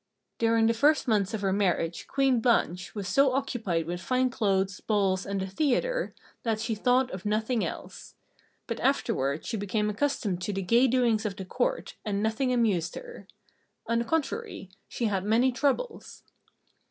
During the first months of her marriage Queen Blanche was so occupied with fine clothes, balls, and the theatre, that she thought of nothing else. But afterward she became accustomed to the gay doings of the Court, and nothing amused her. On the contrary, she had many troubles.